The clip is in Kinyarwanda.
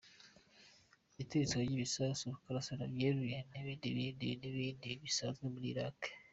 Ituritswa ry’ibisasu, kurasana byeruye, n’ibindi bibi n’ibintu bisanzwe muri Iraq.